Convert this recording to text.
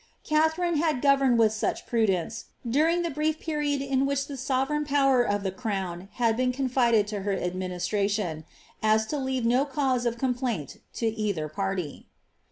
Katharine tad governed with such prudence, during the brief period in which the OTereign power of the crown had been confided to her administration^ M to leave no cause of complaint to either party.